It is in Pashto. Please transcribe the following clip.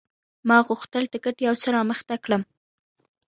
ما غوښتل ټکټ یو څه رامخته کړم.